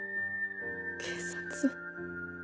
警察？